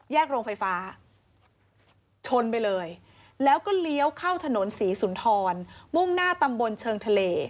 โรงไฟฟ้าชนไปเลยแล้วก็เลี้ยวเข้าถนนศรีสุนทรมุ่งหน้าตำบลเชิงทะเล